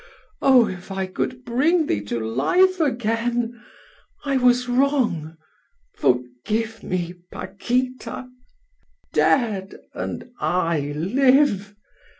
Oh, if I could bring thee to life again! I was wrong forgive me, Paquita! Dead! and I live!